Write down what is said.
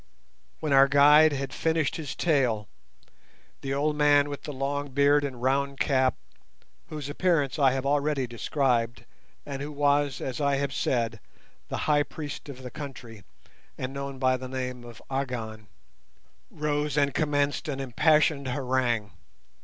When our guide had finished his tale, the old man with the long beard and round cap, whose appearance I have already described, and who was, as I have said, the High Priest of the country, and known by the name of Agon, rose and commenced an impassioned harangue.